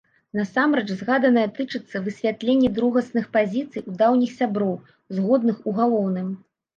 Насамрэч згаданае тычыцца высвятлення другасных пазіцый у даўніх сяброў, згодных у галоўным.